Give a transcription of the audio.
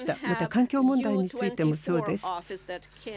また、環境問題についてもそうです。